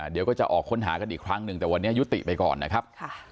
เดี๋ยวก็จะออกค้นหากันอีกครั้งหนึ่งแต่วันนี้ยุติไปก่อนนะครับ